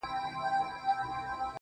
خو چي تر کومه به تور سترگي مینه واله یې,